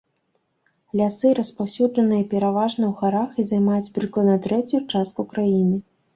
Лясы распаўсюджаныя пераважна ў гарах і займаюць прыкладна трэцюю частку краіны.